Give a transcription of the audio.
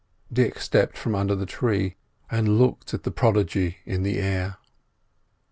Dick stepped from under the tree and looked at the prodigy in the air.